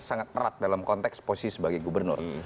sangat erat dalam konteks posisi sebagai gubernur